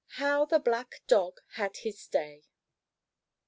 HOW THE BLACK DOG HAD HIS DAY.